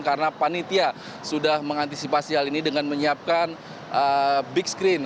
karena panitia sudah mengantisipasi hal ini dengan menyiapkan big screen